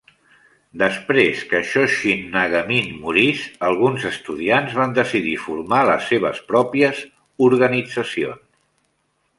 Després que Shoshin Nagamine morís, alguns estudiants van decidir formar les seves pròpies organitzacions.